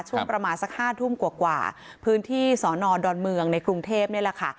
ช่วงประมาณสัก๕ทุ่มกว่าพื้นที่สอนอดอนเมืองในกรุงเทพนี่แหละค่ะ